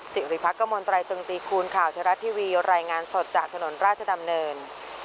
สิริพักกมลตรายตึงตีคูณข่าวเทราะทีวีรายงานสดจากถนนราชดำเนิน